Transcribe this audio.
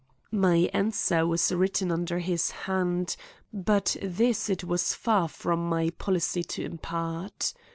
My answer was written under his hand; but this it was far from my policy to impart.